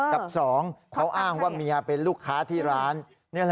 กับ๒เขาอ้างว่าเมียเป็นลูกค้าที่ร้าน